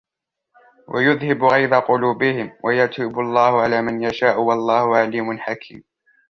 وَيُذْهِبْ غَيْظَ قُلُوبِهِمْ وَيَتُوبُ اللَّهُ عَلَى مَنْ يَشَاءُ وَاللَّهُ عَلِيمٌ حَكِيمٌ